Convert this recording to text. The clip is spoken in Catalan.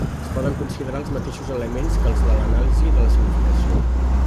Es poden considerar els mateixos elements que els de l'anàlisi de l'escenificació.